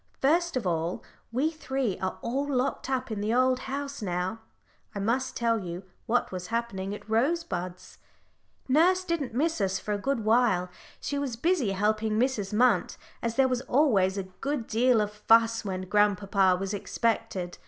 First of all we three are all locked up in the old house now I must tell you what was happening at Rosebuds. Nurse didn't miss us for a good while; she was busy helping Mrs. Munt, as there was always a good deal of fuss when grandpapa was expected.